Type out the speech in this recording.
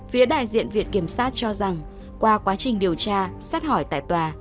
phía đại diện viện kiểm sát cho rằng qua quá trình điều tra xét hỏi tại tòa